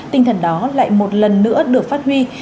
tinh thần đó lại một lần nữa được phát huy